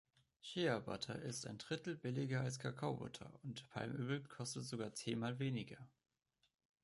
Shea-Butter ist ein Drittel billiger als Kakaobutter, und Palmöl kostet sogar zehnmal weniger.